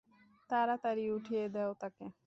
তারাতাড়ি উঠিয়ে দেও তাকে।